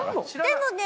でもね